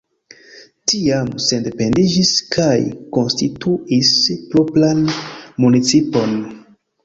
Tiam sendependiĝis kaj konstituis propran municipon.